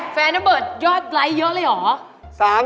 แฟนน้าเบิร์ดยอดรายเยอะเลยหรือ